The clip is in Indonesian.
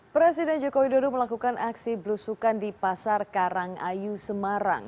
presiden joko widodo melakukan aksi belusukan di pasar karangayu semarang